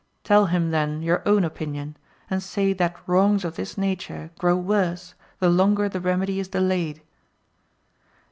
Tell him then your own opinion and say that wrongs of this nature grow worse, the longer the remedy is delayed.